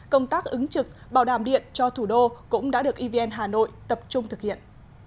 công tác ứng trực bảo đảm điện cho thủ đô cũng đã được evn hà nội tập trung thực hiện